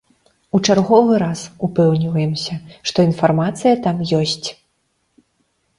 У чарговы раз упэўніваемся, што інфармацыя там ёсць.